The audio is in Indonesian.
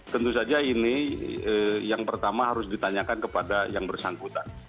tentu saja ini yang pertama harus ditanyakan kepada yang bersangkutan